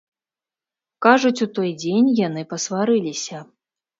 Кажуць, у той дзень яны пасварыліся.